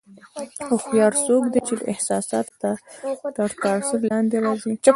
هوښیار څوک دی چې د احساساتو تر تاثیر لاندې نه راځي.